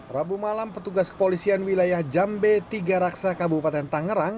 rabu malam petugas kepolisian wilayah jambe tiga raksa kabupaten tangerang